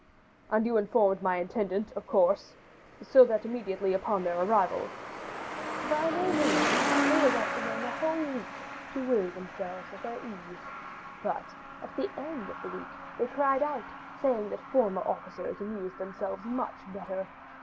"And you informed my intendant, of course? so that immediately on their arrival " "By no means; they were left alone a whole week, to weary themselves at their ease; but, at the end of the week, they cried out, saying that former officers amused themselves much better.